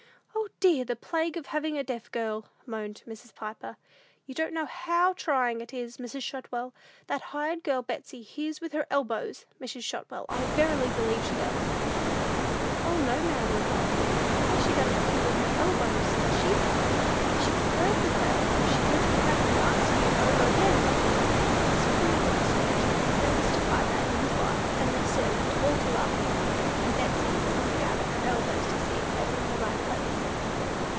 "O, dear! the plague of having a deaf girl!" moaned Mrs. Piper. "You don't know how trying it is, Mrs. Shotwell! That hired girl, Betsey, hears with her elbows, Mrs. Shotwell; I verily believe she does!" "O, no, ma'am," replied Prudy; "I guess she doesn't hear with her elbows, does she? If she heard with her elbows, she wouldn't have to ask you over again!" This queer little speech set Mr. Piper and his wife, and their servant, all to laughing, and Betsey looked at her elbows, to see if they were in the right place.